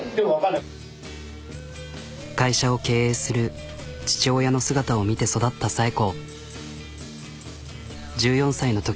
会社を経営する父親の姿を見て育った紗栄子。